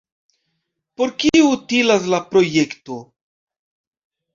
Por kio utilas la projekto?